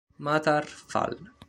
Matar Fall